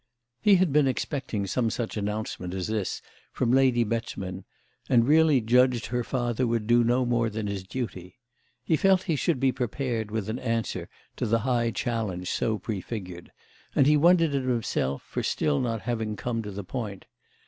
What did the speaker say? He had been expecting some such announcement as this from Lady Beauchemin and really judged her father would do no more than his duty. He felt he should be prepared with an answer to the high challenge so prefigured, and he wondered at himself for still not having come to the point.